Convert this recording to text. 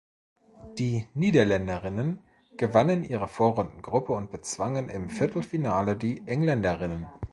Die Niederländerinnen gewannen ihre Vorrundengruppe und bezwangen im Viertelfinale die Engländerinnen.